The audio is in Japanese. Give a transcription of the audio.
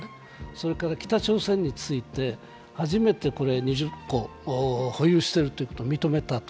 それから北朝鮮について、初めて２０個保有していることを認めた。